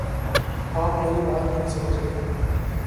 آپ میری بات نہیں سمجھ رہے